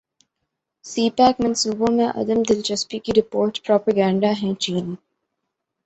سی pack منصوبوں میں عدم دلچسپی کی رپورٹس پروپیگنڈا ہیں چین